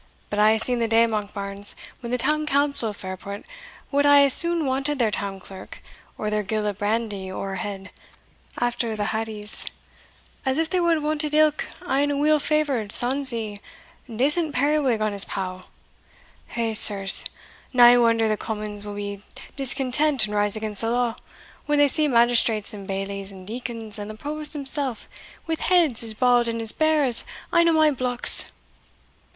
But I hae seen the day, Monkbarns, when the town council of Fairport wad hae as soon wanted their town clerk, or their gill of brandy ower head after the haddies, as they wad hae wanted ilk ane a weel favoured, sonsy, decent periwig on his pow. Hegh, sirs! nae wonder the commons will be discontent and rise against the law, when they see magistrates and bailies, and deacons, and the provost himsell, wi' heads as bald and as bare as ane o' my blocks!"